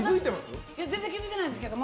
全然気づいてないんですけど。